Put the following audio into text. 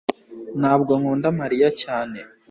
ntabwo nkunda mariya cyane